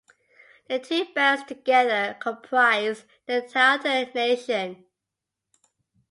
The two bands together comprise the Tahltan Nation.